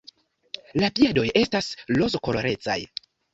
La piedoj estas rozkolorecaj.